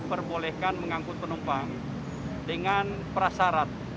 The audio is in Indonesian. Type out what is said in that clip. perbolehkan mengangkut penumpang dengan prasarat